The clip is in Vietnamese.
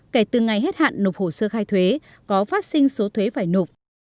kể từ ngày hết hạn nộp hồ sơ khai thuế có phát sinh số thuế phải nộp